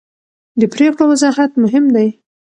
د پرېکړو وضاحت مهم دی